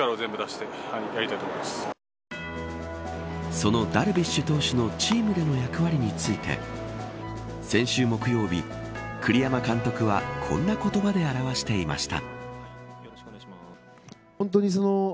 そのダルビッシュ投手のチームでの役割について先週木曜日栗山監督はこんな言葉で表していました。